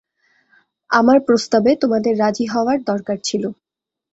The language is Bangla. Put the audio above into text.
আমার প্রস্তাবে তোমাদের রাজি হওয়ার দরকার ছিল।